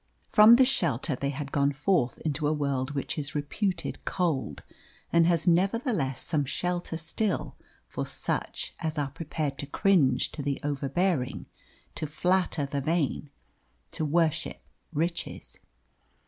From this shelter they had gone forth into a world which is reputed cold, and has nevertheless some shelter still for such as are prepared to cringe to the overbearing, to flatter the vain, to worship riches.